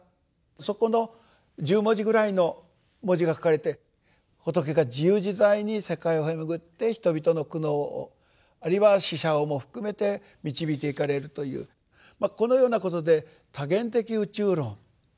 そこの１０文字ぐらいの文字が書かれて仏が自由自在に世界を経巡って人々の苦悩をあるいは死者をも含めて導いていかれるというこのようなことで多元的宇宙論。